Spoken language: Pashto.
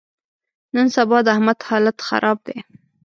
نن سبا د احمد حالت خراب دی.